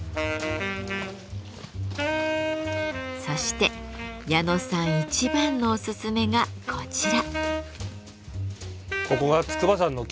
そして矢野さん一番のおすすめがこちら。